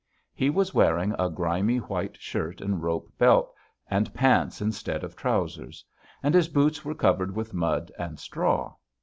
He was wearing a grimy white shirt and rope belt, and pants instead of trousers; and his boots were covered with mud and straw.